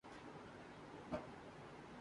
گھاس آدھی جل چکی تھی